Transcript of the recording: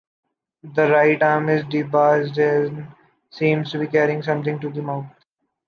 The right arm is debased and seems to be carrying something to the mouth.